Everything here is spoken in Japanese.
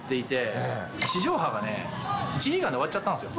地上波がね、１時間で終わっちゃったんですよ。